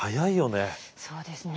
そうですね。